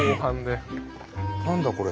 何だこれ？